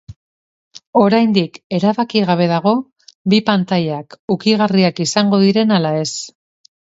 Oraindik erabaki gabe dago bi pantailak ukigarriak izango diren ala ez.